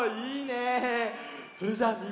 いいね！